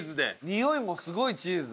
においもすごいチーズ。